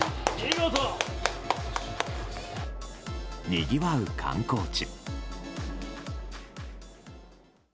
にぎわう観光地。